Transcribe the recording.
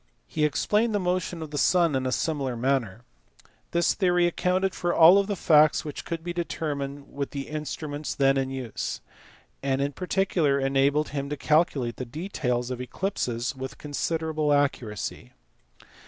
He explained the motion of the sun in a similar manner. This theory accounted for all the facts which could be determined with the instruments then in use, and in particular enabled him to calculate the details of eclipses with considerable accuracy.